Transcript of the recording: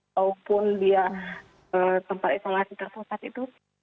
ataupun dia tempat isolasi terpusat itu